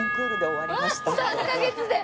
３カ月で。